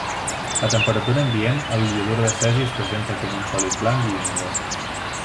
A temperatura ambient el Iodur de cesi es presenta com un sòlid blanc i inodor.